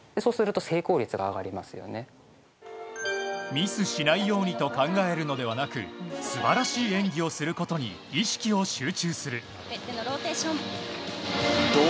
ミスしないようにと考えるのではなく素晴らしい演技をすることに意識を集中する。